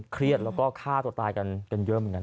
เครียดแล้วก็ฆ่าตัวตายกันเยอะเหมือนกัน